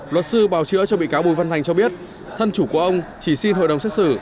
luật sư bào chữa cho bị cáo bùi văn thành cho biết thân chủ của ông chỉ xin hội đồng xét xử